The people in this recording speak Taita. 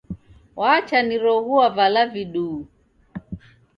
Wacha niroghua vala viduu.